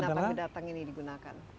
bintang bintang kedatang ini digunakan